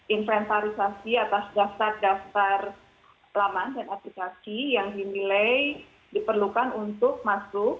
inventarisasi atas daftar daftar laman dan aplikasi yang dinilai diperlukan untuk masuk